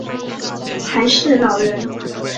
还是老人